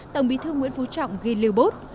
tổng bí thư nguyễn phú trọng ghi lưu bốt